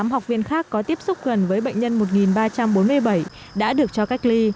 tám học viên khác có tiếp xúc gần với bệnh nhân một ba trăm bốn mươi bảy đã được cho cách ly